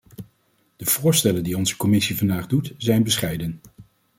De voorstellen die onze commissie vandaag doet, zijn bescheiden.